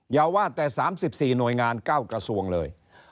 อย่าว่าแต่๓๔หน่วยงาน๙กระทรวงเลย